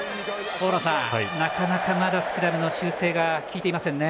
大野さん、なかなかまだスクラムの修正が効いていませんね。